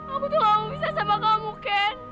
aku tuh gak bisa sama kamu ken